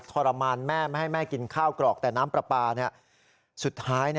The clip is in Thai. ทรมานแม่ไม่ให้แม่กินข้าวกรอกแต่น้ำปลาปลาสุดท้าย